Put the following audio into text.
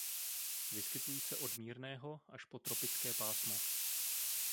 Vyskytují se od mírného až po tropické pásmo.